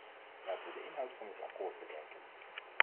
Laten we de inhoud van het akkoord bekijken.